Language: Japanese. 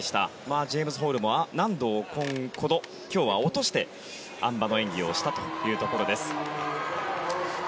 ジェームズ・ホールは難度を今日は落としてあん馬の演技をしたというところです。